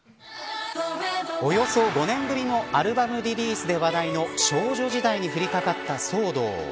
およそ５年ぶりのアルバムリリースで話題の少女時代に降りかかった騒動